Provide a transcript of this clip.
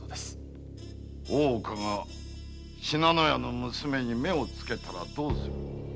大岡が信濃屋の娘に目をつけたらどうする？